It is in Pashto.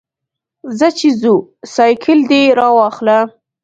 ځه چې ځو، سایکل دې راواخله.